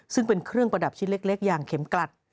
ซึ่งเป็นเครื่องประดับชิ้นเล็กอย่างเข็มกลัด